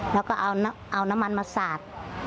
แล้วก็เอาน้ำมันมาสาด